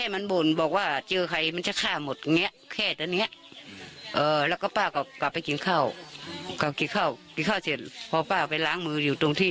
มาเถอะฟังเลย